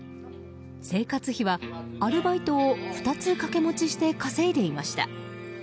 生活費はアルバイトを２つ掛け持ちして稼いでいました。